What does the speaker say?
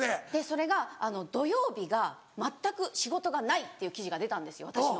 それが土曜日が全く仕事がないっていう記事が出たんです私の。